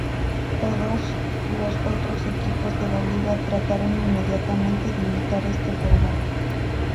Todos los otros equipos en la liga trataron inmediatamente de imitar ese formato.